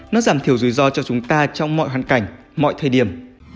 nó giảm thiểu rủi ro cho chúng ta trong mọi hoàn cảnh mọi thời điểm